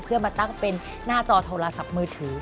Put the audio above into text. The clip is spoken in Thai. เพื่อมาตั้งเป็นหน้าจอโทรศัพท์มือถือ